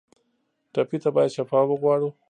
ټپي ته باید شفا وغواړو.